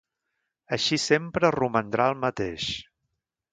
Així sempre romandrà el mateix.